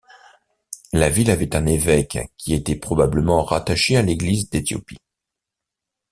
La ville avait un évêque qui était probablement rattaché à l'église d'Éthiopie.